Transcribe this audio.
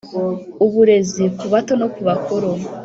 Uburezi ku bato no ku bakuru